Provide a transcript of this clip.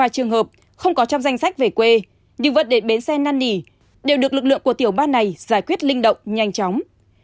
trường hợp không có trong danh sách về quê điều vận đề bến xe năn nỉ đều được lực lượng của tiểu ban này giải quyết linh động nhanh chóng